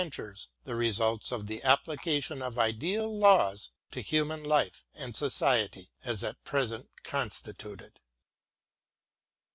74 WILLIAM GODWIN AND the application of ideal laws to human life and society as at present constituted.